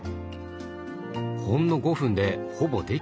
ほんの５分でほぼ出来た様子。